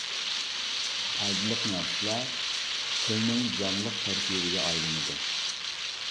پايدىلىق نەرسىلەر تىلنىڭ جانلىق تەركىبىگە ئايلىنىدۇ.